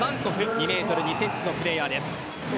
２ｍ２ｃｍのプレーヤーです。